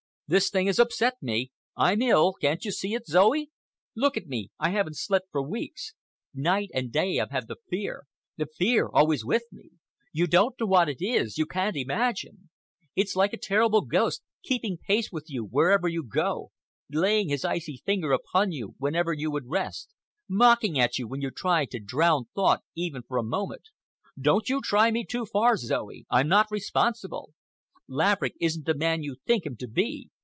This thing has upset me. I'm ill. Can't you see it, Zoe? Look at me. I haven't slept for weeks. Night and day I've had the fear—the fear always with me. You don't know what it is—you can't imagine. It's like a terrible ghost, keeping pace with you wherever you go, laying his icy finger upon you whenever you would rest, mocking at you when you try to drown thought even for a moment. Don't you try me too far, Zoe. I'm not responsible. Laverick isn't the man you think him to be.